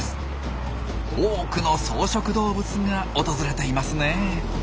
多くの草食動物が訪れていますね。